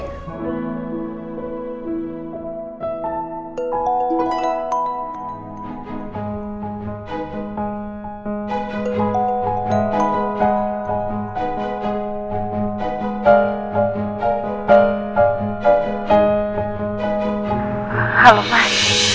aku bisa memperbaikinya